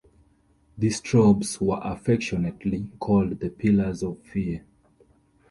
The strobes were affectionately called the pillars of fear.